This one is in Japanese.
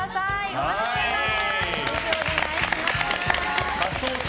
お待ちしています！